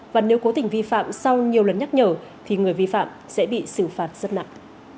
và nếu cố tình vi phạm sau nhiều lần nhắc nhở thì người vi phạm sẽ bị xử phạt rất nặng